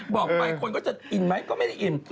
บอกไปคนก็จะอินไหมก็ไม่ได้อิ่ม